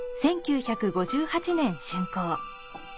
１９５８年竣工。